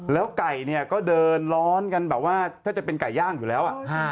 แล้วไก่เนี่ยก็เดินร้อนกันแบบว่าถ้าจะเป็นไก่ย่างอยู่แล้ว